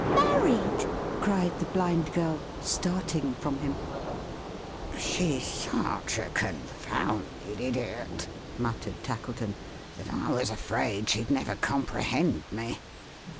"Married!" cried the Blind Girl, starting from him. "She's such a con founded idiot," muttered Tackleton, "that I was afraid she'd never comprehend me.